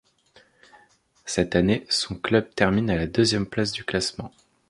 Cette année, son club termine à la deuxième place du classement.